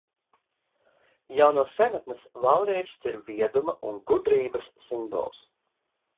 Jau no senatnes valrieksts ir vieduma un gudrības simbols.